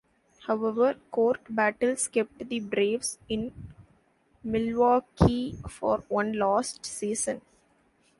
However, court battles kept the Braves in Milwaukee for one last season.